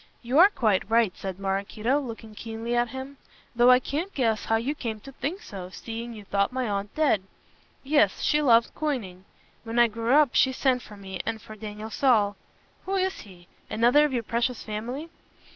"You are quite right," said Maraquito, looking keenly at him, "though I can't guess how you came to think so, seeing you thought my aunt dead. Yes, she loved coining. When I grew up she sent for me and for Daniel Saul " "Who is he? Another of your precious family."